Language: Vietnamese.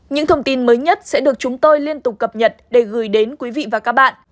những thông tin mới nhất sẽ được chúng tôi liên tục cập nhật để gửi đến quý vị và các bạn